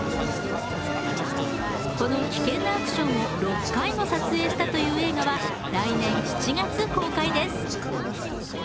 この危険なアクションを６回も撮影したという映画は、来年７月公開です。